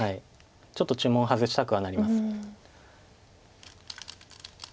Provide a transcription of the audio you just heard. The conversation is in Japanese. ちょっと注文を外したくはなります。